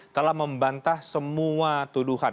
telah membantah semua tuduhan